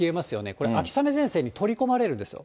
これ、秋雨前線に取り込まれるんですよ。